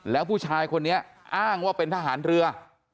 แล้วผู้ชายคนนี้อ้างว่าเป็นทหารเรือ